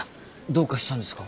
どうかしたんですか？